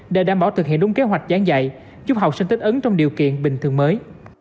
để đảm bảo thực hiện đúng kế hoạch gián dạy giúp học sinh tích ứng trong điều kiện bình thường mới